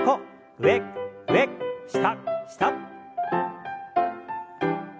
上上下下。